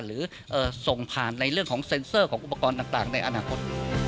หรือส่งผ่านในเรื่องของเซ็นเซอร์ของอุปกรณ์ต่างในอนาคต